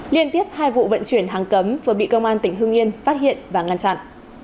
liên tiếp hai vụ vận chuyển hàng cấm vừa bị công an tỉnh hương yên phát hiện và ngăn chặn